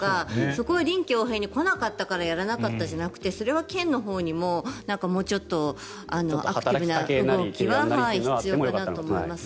そこは臨機応変に来なかったからやらなかったじゃなくてそれは県のほうにももうちょっとアクティブな動きは必要だなと思います。